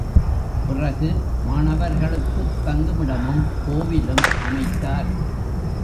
பிறகு மாணவர்களுக்குத் தங்குமிடமும், கோவிலும் அமைத்தார்.